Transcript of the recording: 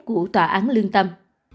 của tòa án lương tâm